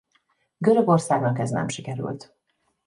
Görögországnak ez nem sikerült.